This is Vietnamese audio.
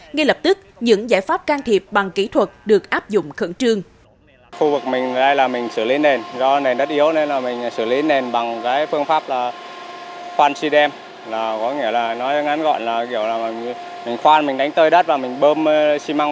ngay lập tức những giải pháp can thiệp bằng kỹ thuật được áp dụng khẩn trương